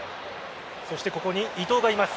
そしてここに伊東がいます。